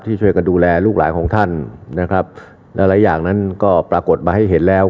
ช่วยกันดูแลลูกหลานของท่านนะครับหลายหลายอย่างนั้นก็ปรากฏมาให้เห็นแล้ว